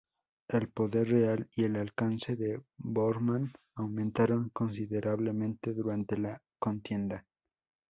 El poder real y el alcance de Bormann aumentaron considerablemente durante la contienda.